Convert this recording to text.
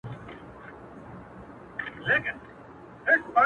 ددې خاوري ارغوان او زغن زما دی!.